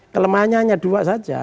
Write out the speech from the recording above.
kelemahannya hanya dua saja